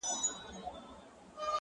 گلي نن بيا راته راياده سولې-